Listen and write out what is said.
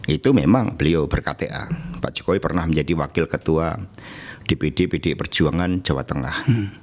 itu memang beliau berkata pak jokowi pernah menjadi wakil ketua dpd pdi perjuangan jawa tengah